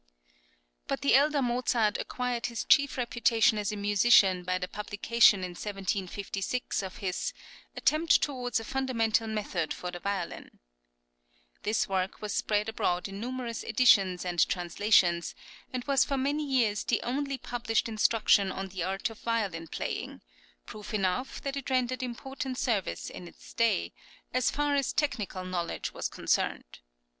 But the elder Mozart acquired his chief reputation as a musician by the publication in 1756 of his "Attempt towards a Fundamental Method for the Violin."[10018] This work was {L. MOZART'S VIOLIN METHOD.} (13) spread abroad in numerous editions and translations, and was for many years the only published instruction on the art of violin playing; proof enough that it rendered important service in its day, as far as technical knowledge was concerned.